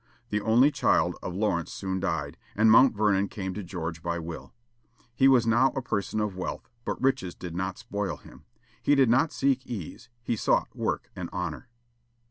The only child of Lawrence soon died, and Mount Vernon came to George by will. He was now a person of wealth, but riches did not spoil him. He did not seek ease; he sought work and honor.